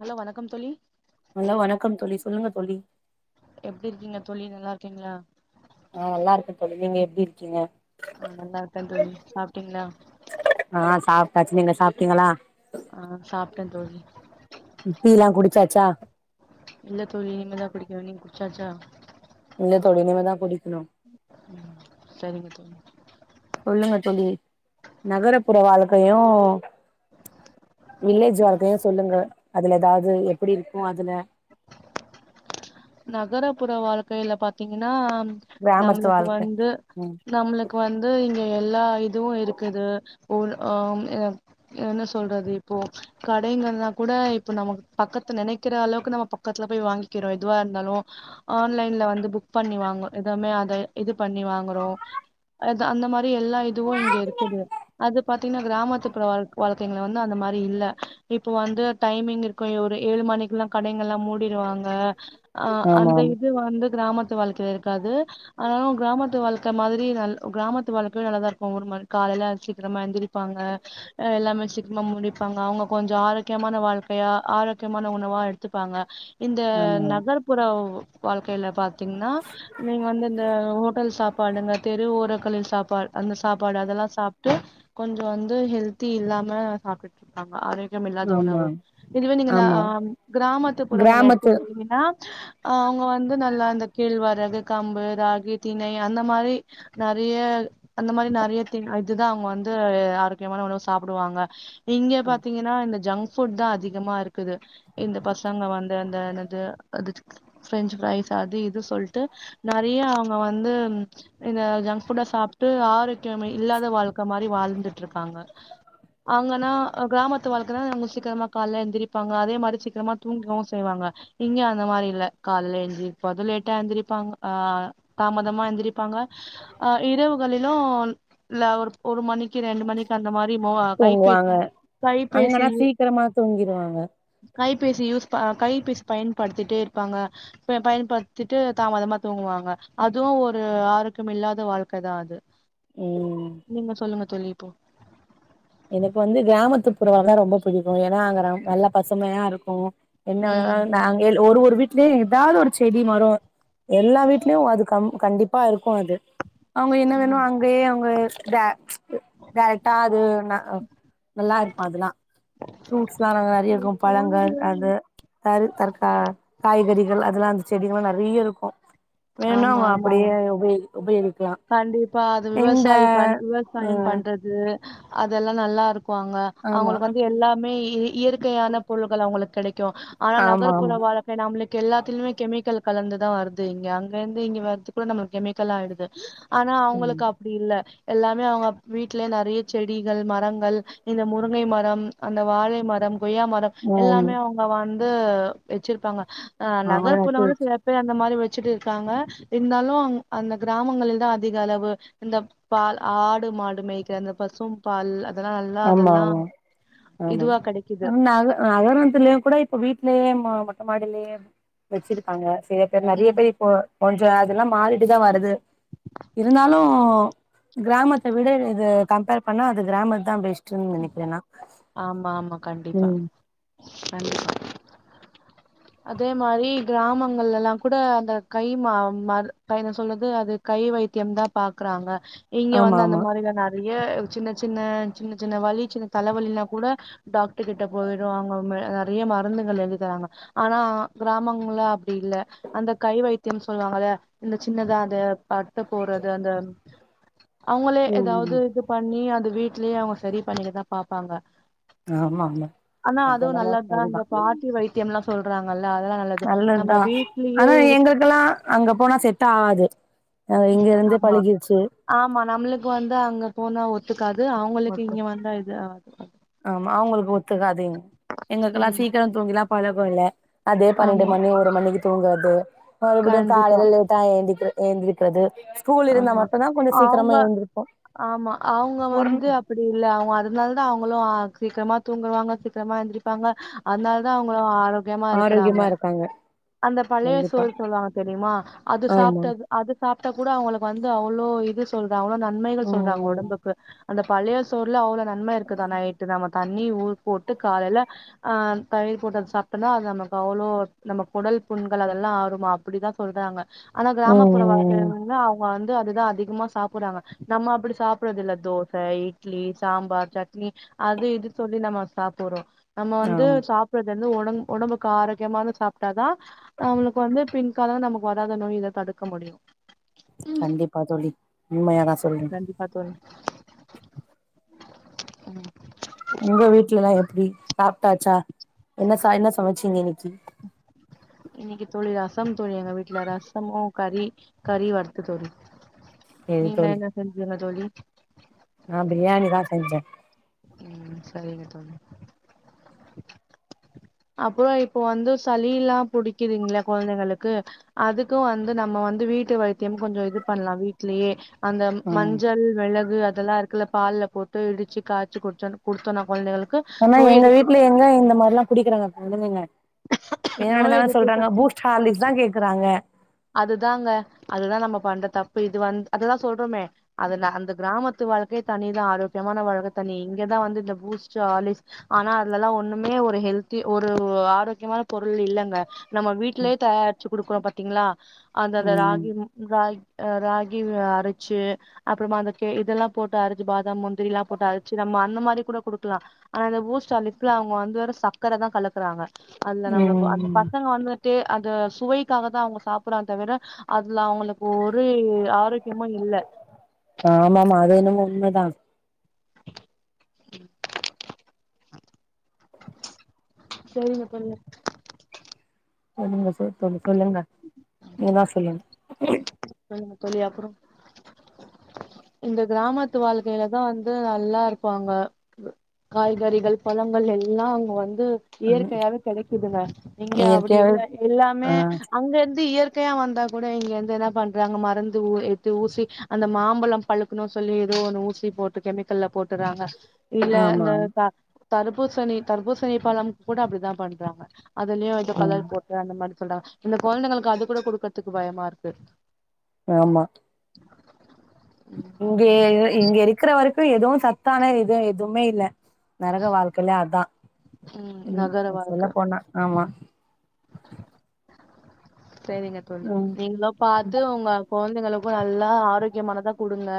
Hello வணக்கம் தோழி hello வணக்கம் தோழி சொல்லுங்க தோழி எப்டி இருக்கிங்க தோழி நல்லாருக்கிங்ளா ஆ நல்லாருக்க தோழி நீங்க எப்டி இருக்கிங்க ஆ நல்லாருக்க தோழி சாப்ட்டிங்ளா டாச்சு நீங்க சாப்ட்டிங்களா ஆ சாப் ட்ட தோழி டீலா குடிச்சாச்சா இல்ல தோழி இனிமேதா குடிக்கனு நீங்க குடிச்சாச்சா இல்ல தோழி இனிமேதா குடி ம் சரிங்க தோழி சொல்லுங்க தோழி, நகரபுற வாழ்க்கையு வில்லேஜ் வாழ்க்கையு சொல்லுங்க அதுல ஏதாவது எப்டி இருக்கு அதுல நகரப்புற வாழ்க்கையில பாத்தீங்கன்னா கிராமத்து நம்ளுக்கு வாழ்க்க வந்து ம் நம்ளுக்கு வந்து எல்லா இதுவு இருக்குது உல் ஆம் எ என்ன சொல்றது இப்போ கடைங்கல்லாக்கூட இப்போ நம்ம பக்கத்து நெனைக்கிற அளவுக்கு நம்ம பக்கத்துல போய் வாங்கிக்கிறோ எதுவாருந்தாலு ஆன்லைன்ல வந்து புக் பண்ணி வாங்க எதுமே அது இது பண்ணி வாங்கறோ அது அந்த மா எல்லா இதுவு இங்க இருக்குது அது பாத்தீங்ன்னா கிராமத்துபுற வாழ் வாழ்க்கைங்கல வந்து அந்த மாரி இல்ல இப்போ வந்து டைமிங் இருக்கு ஒரு ஏழு மணிக்குல்ல கடைங்கள்லா மூடிருவாங்க அஹ் அந்த ஆமாம் இது வந்து கிராமத் து வாழ்க்கையில இருக்காது ஆனாலு கிராமத்து வாழ்க்க மாரி நல் கிராமத்து வாழ்க்கையுநல்லாதா இருக்கு ஒரு மாரி காலைல சீக்கிரமா எழுந்திரிப்பாங்க எல்லாமே சீக்கிரமா முடிப்பாங்க அவங்க கொஞ்சோ ஆரோக்கியமான வாழ்க்கையா ஆரோக்கியமான உணவா எடுத்துப்பாங்க இந்த ந ஆமாம் [unintelligible] வாழ்க் ல்ல பாத்தீங்ன்னா நீங்க வந்து இந்த ஓட்டல் சாப்ப ப்பாடுங்க தெரு ஓரங்க்களில் சாப்பாட் அந்த சாப்பாடு அதெல்லா சாப்ட்டு கொஞ்சோ வந்து ஹெல்தி இல்லாம சாப்டுட்ருக்காங்க ஆரோக் கியம் இல்லாத ஆமா உணவு இதுவே நீங்க இந ஆமா ஆ ம் கிராமத்துப்புறங்கல்ல கிராமத்து எடுத்துக்கிட்டீங்கன்னா அவுங்க வந்து நல்லா இந்த கேழ்வரகு, கம்பு, ராகி, தினண அந்த மாரி நெறிய அந்த மாரி நெறிய தி இதுதா அவ்ங் வந்து ஆரோக்கியமான உணவு சாப்புடுவாங்க இங்க பாத்தீங்கன்னா இந்த ஜங்க் புட் தா அதிகமா இருக்குது இந்த பசங்க வந்து அந்த ன்னது அது ஃப்ரெஞ்சு ஃப்ரைஸ் அது இது சொல்ட்டு நெறிய அவுங்க வந்து இந்த ஜங்க் புட்டா சாப்ட்டு ஆரோக்கியமே இல்லாத வாழ்க்க மாரி வாழ்ந்துட்டுருக்காங்க. அவ்ங்கனா கிராமத்து வாழ்க்க தா அவ்ங்க சீக்கிரமா கால்ல எழுந்திரிப்பாங்க அதே மாரி சீக்கிரமா தூங்கவு செய்வாங்க இங்க அ ந்தமாரி இல்ல. காலேல எந்திரிப்பது லேட்டா எந்திரிப்பாங்க. ஆ தாமதமா எந்திரிப்பாங்க ஆ இரவுகளிலு ல ஒர் ஒரு மணிக்கு க்கு ரெண்டு மணிக்கு அந்த மாரி மோ தூங்குவாங்க கைப்பேசி கைப்பேசி அங்கன்னா சீக்கிரமா தூங்கிருவாங்க கைபேசி யூஸ் ப கைபேசி பயன் படுத்திட்டே இருப்பாங்க. ப பயன்படுத்திட்டு தாமதமா தூங்குவாங்க அதுவு ஒரு ஆரோக்கியமில்லாத வாழ்க்க தா அது ம் நீங்க சொல்லுங்க தோழி [unintelligible] எனக்கு வந்து கிராமத்து புற வாழ்னா ரொம்ப புடிக்கு ஏன்னா அங்க ரம் நல்லா பசுமையா ருக்கு என்னா அ ம் நாங்க [unintelligible] ஒரு ஒரு வீட்ல்யு எதாவது ஒரு செ டி மரம் எல்லா வீட்லியு அது கம் கண்டிப்பா இருக்கு அது அவுங்க என்ன வேனு ம் அங்கயே அவுங்க ற ம் டேரக்ட்டா அது நா நல்லாருக்கு அதுலா ஃப்ரூட்ஸ்லா நாங்க நிறைய இருக்கு பழங்கள் அது தரு தற்கா காய்கறிகள் அதெலா அந்த செடிகல்லா நெறைய இருக்கு வேனுன்னா ஆமா அவங்க ஆமா அப்டியே பேய் [unintelligible] கண்டிப்பா அது விவசாயி பண் விவசாயம் ம் பண்றது அதெல்லா நல்லா இருக் குவாங்க ஆமா அவுங்களுக்கு வந்து எல்லாமே இய இயற்கையான பொருள்கள் அவுங்குளுக் கெடைக் ட்டு ஆனா ஆமா நகர்ப்புற ஆமா வாழக்கை நம்மளுக்கு எல்லாத்திலிமே கெமிக்கல் கலந்துதா வருது இங்க அங்க இந்து இங்க வரத்துக்குள்ள நம்ளுக் கெமிக்கலாயிடுது ஹ்ஹ் ஆனா ம் அவுங்களுக்கு அப்டி இல்ல எல்லாமே அவுங்கப் வீட்ல நெறைய செடிகள் மரங்கள் இந்த முருங்கை மரம் அந்த வாழை மரம் கொய்யா மரம் ஆமா எல்லாமே அவுங்க வந் து வெச்சிருப்பாங்க அஹ் அவங்கள நட்டு நகர்புறங்கள்ள வச்சு சில பேரு அந்த மாரி வெச் ச்சிட்டு இருக்காங்க இர்ந்தாலு அங் அந்த கிராமங்களில் தா அதிக அளவு இந்தப் பால் ஆடு மாடு மேய்க்கிற அந்த பசும் பால்ல ஆமா ஆமா ஆமாங் இதுவா கெடைக்குது நக நகரத்துலயே கூட இப்ப வீட்லயே மொ மொட்ட மாடிலயே உம் வெச்சிருக்காங்க சில பேர் நறைய ம் பேர் இப்போ கொஞ்சம் அதெல்லா மாறிட்டு தா வருது இருந்தாலு கிராமத்த விட இது கம்பேர் பண்ணா அது கிராமத் தா பெஸ் ட்ன் நெனைக்கிறே நா ஆமா ஆமா கண்டிப்பா கண்டிப்பா அதே மாரி கிராமங்கள்ல எல்லாங் கூட அந்த கை மா மர் என்ன சொல்லது அது கை வைத்தியம் தா பாக்றாங்க இங்க ஆமா வந்து அந்த ஆமா மாரிதா நறை ஏ சின்ன சின்ன சின்ன சின்ன வலி சின்ன தலவலினா கூட டாக்ட் கிட்ட போயிருவாங்க மெ நறைய மருந்துகள் எழுதி தராங்க ஆனா கிராமங்கள்ல அப்டி இல்ல அந்த கை வைத்தியம் சொல்லுவாங்கல்ல இந்த சின்னதா அது பத்து போறது அந்தம் அவுங்களே ம் எதாவது ம் இது பண்ணி அது வீட்லியே அவுங்க சரி பண்ணிக்கதா பாப்பாங்க ஆமா ஆமா ஆனா அது அதுவு என்னமோ நல்லத்தா அந்த பாட்டி வைத் த்தியம்லா சொல்றாங்கள் நல்லத்தா ஆனா இருக் எங்குளுக் கெல்லா அங்க போனா செட் ஆவாது ம் ஆமா ஆமா நம்ளுக்கு வந்து அங்க போனா ஒத் ஆமா அவுங்களுக் ஒத்துக்காது இங் எங்களுக்குலாம் ம் சீக்கிரம் தூங்கிதான் ப பலகோயில்ல அதே பன்னண்டு ஆமா மணி ஒரு மணிக்கி தூங்காதே மறுபடியும் கண்டிப்பா காலைல லேட்டா ஏந்திக்கிது எந்துரிக்றது ஸ்கூல் இருந்தா ஆமா மட்டுந்தான் கொஞ்ச சீக்கிரமா அவங்க எந்திருப்போம் ஆமா அவங்க ஒரு வந்து அப்டி இல்ல அவுங்க அதுனால தான் அவுங்களும் சீக்கரமா தூங்கவாங்க சீக்கரமா எந்துரிப்பாங்க அத்னால தான் அவுங்களு ஆரோக்யமா இருக்குறாங்க ஆரோக்கியமா இருக்காங்க அந்த பழய கண்டிப்பா சோறு சொல்வாங்க தெரியுமா அது ஆமா சாப்ட்டது அது சாப்ட்ட வந்து அவ்ளோ இது சொல் த அவ்ளோ நன்மைகள் சொல்றாங்க ம் ஒடம்புக்கு அந்த பழய சோற்ல அவ்ளோ நன்ம இருக்குதான எட்டு நம்ம தண்ணி ஊர் போட்டு காலைல அஹ் தயிர் போட்டு சாப்ட்டோனா அது நமக்கு அவ்ளோ நம்ப கொடல் புண்கள் அதல்லாம் ஆறுமா அப்படிதான் சொல்றாங்க ஆனா கிராமப்புற வாக்க ம் அஅவுங்க வந்து அதுதான் அதிகமா சாப்புறாங்க நம்ம அப்புடி சாப்புறதில்ல தோச இட்லி சாம்பார் சட்னி அது இது சொல்லி நம்ம சாப்புறோம் நம்ம வந்து ஆமா சாப்றது எத் ந்து ஒடங் ஒடம்புக்கு ஆரோக்கியமானத் சாப்ட்டா தான் அவ்ளுக்கு வந்து பின் [unintelligible] நமக்கு வராத நோய் இத தடுக்க முடியும் கண்டிப்பா தோழி உண்மயாதான் சொல்றேன் ம் உங்க வீட்லலாம் எப் ப்டி சாப்ட்டாச்சா என்ன சா என்ன சமைச்சீங்க இன்னிக்கி இன்னக்கி தோழி ரசம் தோழி எங்க வீட்ல ரசமு கறி கறி வறுத்து தோழி சரி நீங்க தோழி என்ன செஞ்ச [unintelligible] தோழி ப்ரியாணிதான் செஞ்சன் ம் சரிங்க தோழி அப்றொம் இப்ப வந்து சளில்லாம் புடிக்கிதுங்கள கொலந்தைகளுக்கு அதுக்கும் வந்து நம்ம வந்து வீட்டு வைத்தியம் கொஞ்சொம் இது பண்லாம் வீட்லயே அந்த ம் மஞ்சள் மெளகு அத் தெல்லாருக்குல பால்ல போட்டு இடுச்சு காச்சு குடுச்சோன குடுத்தோனா கொலந்தைகளுக் ஆனா எங்க வீட்ல எங்க இந்த மாரிலா குடிகிறாங்க அத நீங்க வேணாணு நோய் தான எதிர்ப்பு சொல்றாங்க சக்தி பூஸ்ட் ஹார்லிகஸ் தா கேக்குறாங்க அதுதாங்க அதுதா நம்ம பண்ற தப்பு இது வந் அததுதா சொல்றோமே அதுனா அந்த கிராமத்து வாழ்க்கைய தனிதா ஆரோக்கியமான வாழ்கை தனி இங்கதா வந்து இந்த பூஸ்டர் ஆலிஸ் ஆனா அதுலலா ஒண்ணுமே ஒரு ஹெல்தி ஒரு ஆரோக்கியமான பொருள் இல்லங்க நம்ம வீட்லயே தயாரிச்சு குடுக்குறோம் ப ட்டீங்களா அந்தந்த ம் ராகி ராகி அ ராகி அரைச்சு அப்புறமா அந்த கே இதெல்லா போட்டு அரச்சு பாதாம் முந்திரிலா போட்டு அரச்சு நம்ம அந்த மாரி கூட குடுக்கலாம் ஆனா இந்த பூஸ்ட் ஆலிஸ்குலா அவங்க வந்து வற சக்கர தா கலக்குறாங்க அதுல நம்ம ப அந்த ம் பசங்க வந்துட்டு அது சுவைக்காக தா அவங்க சாப் ப்றான் தவிர அதுல அவங்களுக்கு ஒரு ஆரோக்கியமு இல்ல ஆமாமா அது என்னமோ உண்மதா செரிங்க தோழி [unintelligible] தோழி சொல்லுங்க நீ தா சொல்லுங் சொல்லுங்க தோழி அப்புறம் இந்த கிராமத்து வாழ்க்கையிலதா வந்து நல்லா இருப்பாங்க காய்கறிகள் பழங்கள் எல்லா அங்க வந் ந்து ம் இயற்கையாவே கெடைக்குதுங்க இங்க அப்படி இயற்கையாவே இல்ல எல்லாமே ஆ அங்க இருந்து இயற் கையா வந்தா கூட வந்து என்ன பண் நாங்க மரந்து எத்து ஊசி அந்த மாம்பழம் பழுக்கணும் சொல்லி ஏதோ ஒண்ணு ஊசி போட்டு கெமிக்கல்ல போட்டுறாங்க இல்ல ஆமா இந்த கா தர்பூசணி தர்பூசணி பழம் கூட அப்டிதா பண்றாங்க அதுலயு ஏதோ ம் கலர் போட்டு அந்த மாரி சொல்றாங் இந்த கொழந்தைங்களுக்கு அது கூட குடுக்கறதுக்கு பயமா இருக்கு ஆமா ம் [unintelligible] இங்க இருக்கிற வரைக்கும் எதுவு சத்தான இது எதுவுமே இல்ல நரக வாழ்க்கையிலே அதா ம் நகர சொல்ல வாழ்க்க போனா ஆமா சரிங்க தோழி ம் நீங்களோ பாத்து உங்க கொழந்தைங்கல நல்லா ஆரோக்கியமானதா கொடுங்க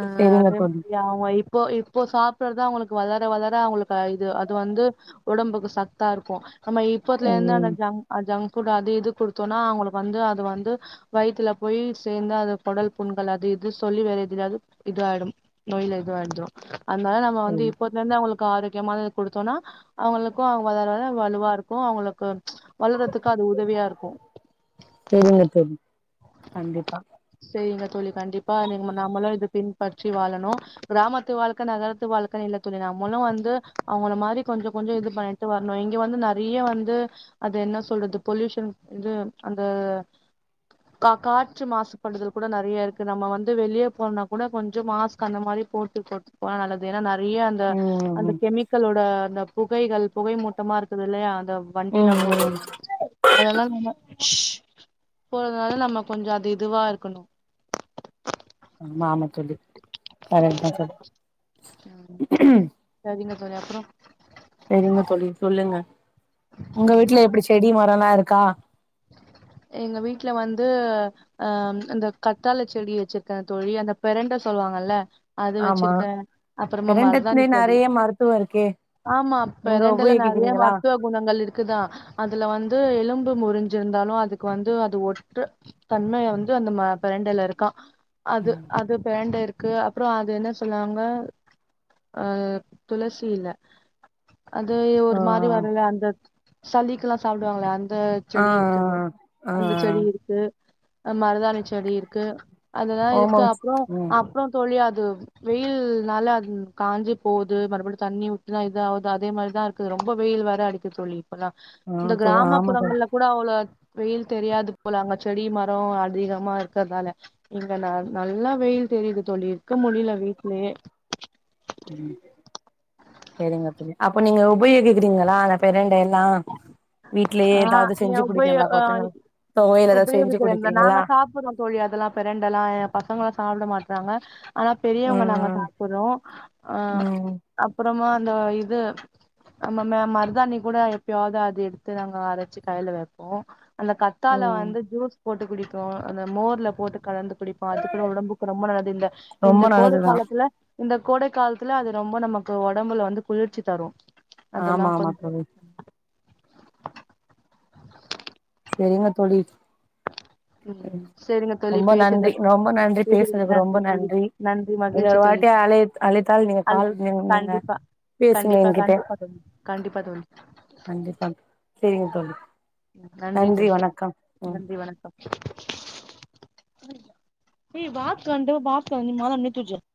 அ செரிங்க அதே தோழி மாரி அவ இப்போ இப்போ சாப்பிறதா அவங்களுக்கு வளர வளர அவங்களுக்கு அ இது அது வந்து ஒடம்புக்கு சத்தா இருக்கும் நம்ம இப்பதுல ம் எனஜாங் அஜாங் கூடாது இது குடுத்தோனா அவங்களுக்கு வந்து அது வந்து வயித்துல போய் சேந்து அது குடல் புண்கள் அது இது சொல்லி வேற எதுலது இது ஆயிடும் நோய்ல இது ஆயிடும் அதனால நம்ம வந்து ம் இப்பத்லருந்து அவுங்களுக் கு ஆரோக்கியமானது குடுத்தோன்னா அவங்களுக்கு அவங்க வளர வளற வலுவாருக்கு அவங்களுக்கு ம்ச் வளறதுக்கு அது உதவியாருக் கு செரிங்க தோழி கண்டிப்பா சேரிங்க தோழி கண்டிப்பா [unintelligible] நம்மளு இது பின்பற்றி வாழணு கிராமத்து வாழ்க்க நகரத்து வாழ்க்கணு இல்ல தோழி நம்மளு வந்து அவங்கள மாரி கொஞ்சோ கொஞ்சோ இது பண்ணிட்டு வர் நா இங்க வந்து நெறைய வந்து அது என்ன சொல்றது பொல்யூஷன் இது அந்த கா காற்று மாசு படுதல் கூட நெறைய இருக்கு நம்ம வந்து வெளிய போனா கூட கொஞ்சோ மாஸ்க் அந்த மாரி போட்டு போட்டுட் போனா நல்லது ஏனா நாட் ரியாந்த ம் அந்த ம் கெமிக்கலோட அந்தப் புகைகள் புகை மூட்டமா இருக்குது இல்லயா ந்த வண்டிலா ம் போறதுனால அதெல்லா [unintelligible] ஷ் போறதுனால நம்ம கொஞ்சோ அது இதுவா இருக்கணு [unintelligible] ஆமா தோழி, கரெக்ட்தா தோழி சரிங்க தோழி அப்றோ சரிங்க தோழி சொல்லுங்க உங்க வீட்டுல எப்டி செடி மரோல்லா இருக் க்கா எங்க வீட்ல வந்து அ இந்த கத்தாள செடி வச்சிருக்க தோழி அந்த பிரண்ட சொல்வாங்கல்ல அது ஆமா வச்சிருக்க அப்புறமா பெரண்டத்துலே மர்தாணிச்செடி நெறைய மருத்துவோ இருக்கே ஆமா நீங்க பெரெண்டல நெறைய உபயோகிக்கிறீங்களா மருத்துவ குணங்கள் இருக்குதா அதுல வந்து எலும் ட்டு முறிஞ் சிருந்தாலு அதுக்கு வந்து அது ஒட்ற தன்மய வந்து அந்த ம பிரண்டையில இருக்கா அது அது பெரண்ட இருக் க்கு அப்புறோ அது என்ன சொல்லுவாங்க அ துளசியில அது ஆ ஒரு மாரி வருல அந்தத் சளிக்குலா சாப்டுவாங்களே அந்த ஆ செடி இருக்குது ஆ ஆ அந்த செடி இருக்கு ஆ மருதாணி செடி இருக்கு அதெல்லா இருக்கு ஹோமோன்ஸ் அப்புறோ ம் அப்புறோ தோழி அத் து வெயில்னால அது காஞ்சு போது மறுபடி தண்ணி ஊத்னா இதா ஆவுது அதே மாரிதா இருக்குது ரொம்ப வெயில் வேற அடிக்குது தோழி [unintelligible] ஆ இந்த தோ ஆமா தோழி கிராமப்புறங்கள்லப் [unintelligible] வெயில் தெரியாது போல அங்க செடி மரோ அதிகமா இருக்கதால இங்க ந நல்லா வெயில் தெரியிது தோழி இருக்க முடில வீட்லயே சரிங்க தோழி அப்ப நீங்க உபயோகிக்றீங்களா அந்த பெரண்ட எல்லா வீட்லயே ஆ, ஏதாவது செஞ்சு என் உபயோ குடுக்கீங்களா ஆய் கொச்சங்களுக்கு தொவையல் ஏதாவது செஞ்சு உபயோகிக்கிறே நாங்க குடுக்கிறீங்களா சாப்பிடுறோ தோழி அதெல்லா பிரண்டலா ஏ பசங்கலா சாப்ட மாட் டாங்க ஆனா பெரியவங்க நாங்க ம் சாப்புற்றோ அ ம் அப்புறமா அந்த இது அம்மம்மே மருதாணி கூட எப்யாத்து அது எடுத் த்து நாங்க அரச்சு கைல வப்போம் அந்த கத்தால ம் வந்து ஜூஸ் போட்டு குடி தோ அந்த மோர்ல போட்டு கலந்து புடிப்போ அதுகூட ஒடம்புக்கு ரொம்ப நல்லது இந்த ரொம்ப இந்த கோடை நல்லதுதா காலத்துல இந்த கோடை காலத்துல அது ரொம்ப நமக்கு ஒடம்புல வந்து குளுர்ச்சிதரும் ஆமா ஆமா தோழி செரிங்க தோழி உம் செரிங்க தோழி ரொம்ப பேசுயத நன்றி ரொம்ப நன்றி பேசுதற்கு பேசுனதுக்கு ரொம்ப நன்றி தோழி நன்றி இன்னொரு மகிழ்ச்சி தோழி வாட்டி அழை அழைத்தால் நீங்க அது கால் நீ நீங்க கண்டிப்பா பேசுங்க கண்டிப்பா என்கிட்ட கண்டிப்பா தோழி கண்டிப்பா தோழி செரிங்க தோழி நன்றி தோலி வணக்கம் ம் நன்றி வணக்கம் ஏ [unintelligible]